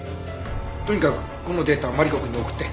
とにかくこのデータマリコくんに送って。